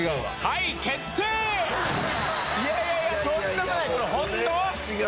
いやいやいやとんでもないこれホント？